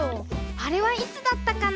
あれはいつだったかな。